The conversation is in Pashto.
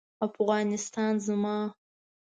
افغانستان زما